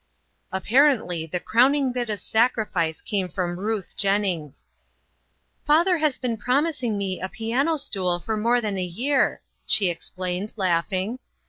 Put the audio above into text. Apparently, the crowning bit of sacrifice came from Ruth Jennings. " Father has been promising me a piano stool for more than a year," she explained, laughing.